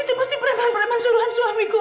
itu pasti perambahan perambahan suruhan suamiku